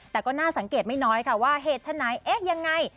แต่ก็น่าสังเกตไม่น้อยค่ะว่าเหตุฉะไหนเอ๊ะยังไง